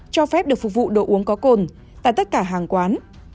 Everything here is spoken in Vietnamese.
cho phép được phục vụ đồ uống có cồn tại tất cả hàng quán